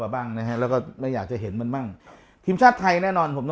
บ้างนะฮะแล้วก็เราอยากจะเห็นมันบ้างทีมชาติไทยแน่นอนผม